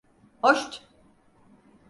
Hoşt!